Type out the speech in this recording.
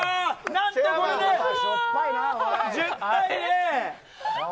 何とこれで１０対０！